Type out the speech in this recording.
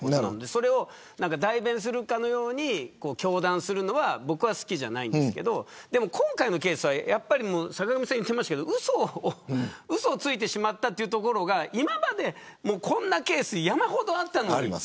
それを代弁するかのように糾弾するのは好きじゃないんですけど今回のケースは坂上さんも言っていましたがうそをついてしまったというところが今までこんなケース山ほどあったのに